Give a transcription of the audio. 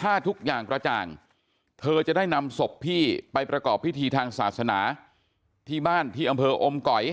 ถ้าทุกอย่างกระจ่างเธอจะได้นำศพพี่ไปประกอบพิธีทางศาสนาที่บ้านที่อำเภออมก๋อย